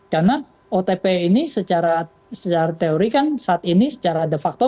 karena otp ini secara teori kan saat ini secara de facto